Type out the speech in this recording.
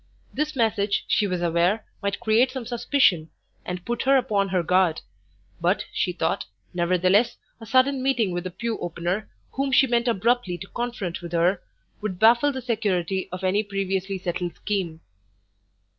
This message, she was aware, might create some suspicion, and put her upon her guard; but she thought, nevertheless, a sudden meeting with the Pew opener, whom she meant abruptly to confront with her, would baffle the security of any previously settled scheme.